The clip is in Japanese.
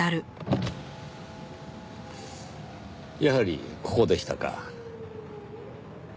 やはりここでしたか。